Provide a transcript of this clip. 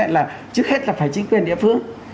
trước hết là phải chính quyền địa phương